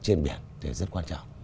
trên biển thì rất quan trọng